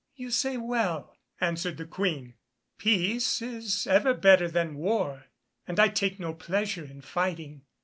"You say well," answered the Queen. "Peace is ever better than war, and I take no pleasure in fighting."